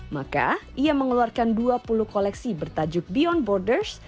maka ia mengeluarkan dua puluh koleksi bertajuk beyond borders